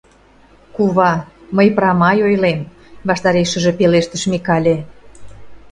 — Кува, мый прамай ойлем, — ваштарешыже пелештыш Микале.